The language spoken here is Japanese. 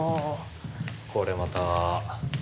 これまた。